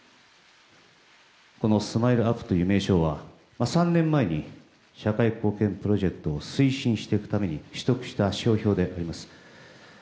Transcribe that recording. このＳＭＩＬＥ‐ＵＰ．という名称は３年前に社会貢献プロジェクトを推進していくために取得した商標でございます。